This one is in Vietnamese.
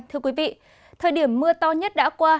thưa quý vị thời điểm mưa to nhất đã qua